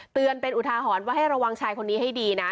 เตือนเป็นอุทาหรณ์ว่าให้ระวังชายคนนี้ให้ดีนะ